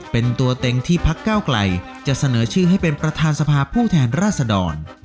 เป็นตัวเต็งที่พักเก้าไกลจะเสนอชื่อให้เป็นประธานสภาพผู้แทนราษดร